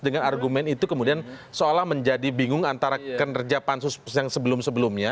dengan argumen itu kemudian seolah menjadi bingung antara kinerja pansus yang sebelum sebelumnya